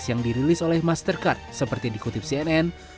yang dirilis oleh mastercard seperti dikutip cnn